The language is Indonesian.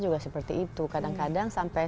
juga seperti itu kadang kadang sampai